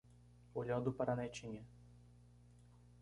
Olhando para a netinha